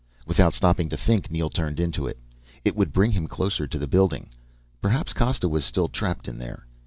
Without stopping to think, Neel turned into it. It would bring him closer to the building. Perhaps Costa was still trapped in there.